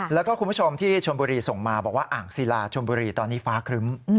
แล้วก็คุณผู้ชมที่ชนบุรีส่งมาบอกว่าอ่างศิลาชนบุรีตอนนี้ฟ้าครึ้ม